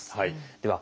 では